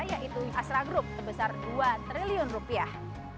yaitu astra group sebesar dua triliun rupiah